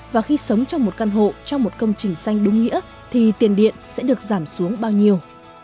và khi sống trong một căn hộ trong một công trình xanh đúng nghĩa thì tiền điện sẽ được giảm xuống bao nhiêu